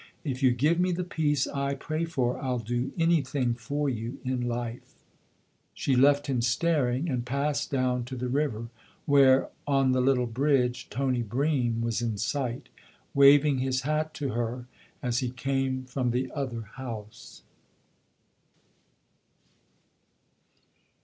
" If you give me the peace I pray for, I'll do anything for you in life !" She left him staring and passed down to the river, where, 'on the little bridge, Tony Bream was in sight, waving his hat to her as he came from the other house.